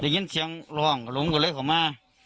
จากเมื่อนี้เสียงหล่องหลงตัวเลยเข้ามา